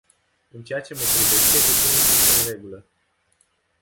În ceea ce mă privește, lucrurile sunt în regulă.